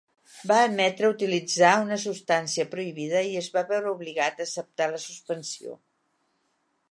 Va admetre utilitzar una substància prohibida i es va veure obligat a acceptar la suspensió.